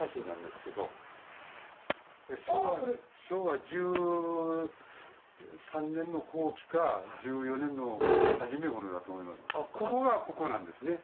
昭和１３年の後期か１４年の初めごろだと思います。